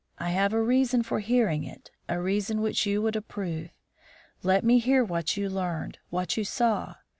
I have a reason for hearing it, a reason which you would approve. Let me hear what you learned, what you saw.